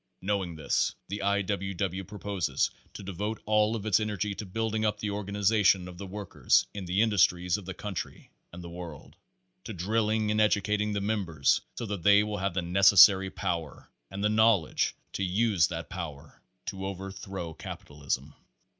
Knowing this, the I. W. W. proposes to devote all of its energy to building up the organization of the work ers in the industries of the country and the world : to drilling and educating the members so that they will have the necessary power and the knowledge to use that power to overthrow capitalism.